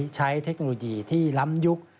เทคโนโลยีที่ล้ำยุค